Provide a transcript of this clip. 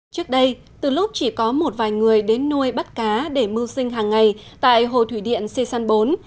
trước đây từ lúc chỉ có một vài người đến nuôi bắt cá để mưu sinh hàng ngày tại hồ thủy điện xê săn bốn